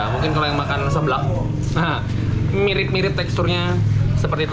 mungkin kalau yang makan sebelak nah mirip mirip teksturnya seperti itu